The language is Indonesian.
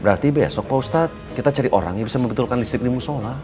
berarti besok pak ustadz kita cari orang yang bisa membetulkan listrik di musola